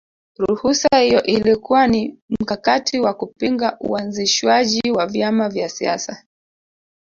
Ruhusa iyo ilikuwa ni mkakati wa kupinga uanzishwaji wa vyama vya siasa